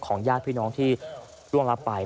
ญาติพี่น้องที่ล่วงรับไป